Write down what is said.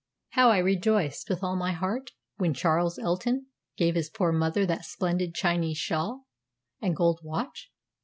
How I rejoiced with all my heart, when Charles Elton gave his poor mother that splendid Chinese shawl and gold watch!